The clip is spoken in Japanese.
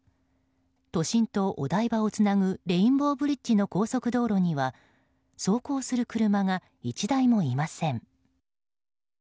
都心とお台場をつなぐレインボーブリッジの高速道路には走行する車が１台もいません。